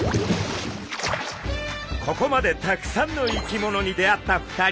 ここまでたくさんの生き物に出会った２人。